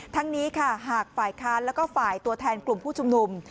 ทั้งนี้ค่ะหากฝ่ายค้านแล้วก็ฝ่ายตัวแทนกลุ่มผู้ชุมนุม